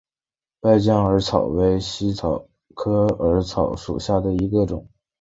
败酱耳草为茜草科耳草属下的一个种。